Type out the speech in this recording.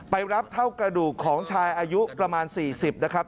ไปรับเท่ากระดูกของชายอายุประมาณ๔๐นะครับ